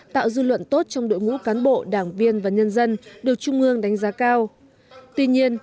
tạo dư luận tốt trong đội ngũ cán bộ đảng viên và nhân dân được trung ương đánh giá cao tuy nhiên